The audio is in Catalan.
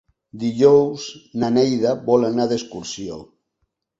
Dijous na Neida vol anar d'excursió.